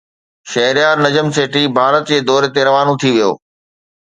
شهريار نجم سيٺي ڀارت جي دوري تي روانو ٿي ويو